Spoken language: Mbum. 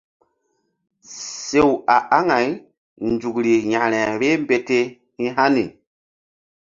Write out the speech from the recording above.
Sew a aŋay nzukri yȩkre vbeh mbete hi̧ hani.